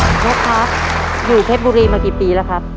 คุณนกครับอยู่เพชรบุรีมากี่ปีแล้วครับ